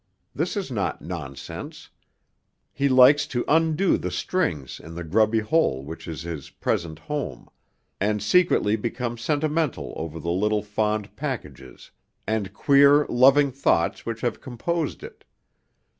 This is not nonsense. He likes to undo the strings in the grubby hole which is his present home, and secretly become sentimental over the little fond packages and queer, loving thoughts which have composed it.